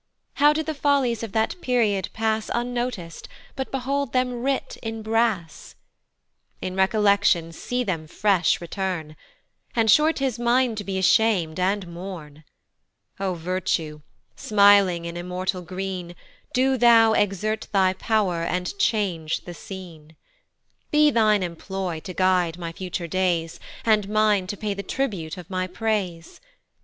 How did the follies of that period pass Unnotic'd, but behold them writ in brass! In Recollection see them fresh return, And sure 'tis mine to be asham'd, and mourn. O Virtue, smiling in immortal green, Do thou exert thy pow'r, and change the scene; Be thine employ to guide my future days, And mine to pay the tribute of my praise.